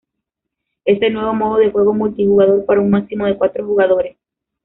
Es el nuevo modo de juego multijugador para un máximo de cuatro jugadores.